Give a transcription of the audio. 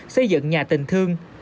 xây dựng nhà tình thương